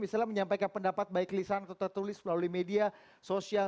misalnya menyampaikan pendapat baik kelisahan kota tulis melalui media sosial